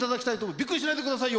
びっくりしないでくださいよ。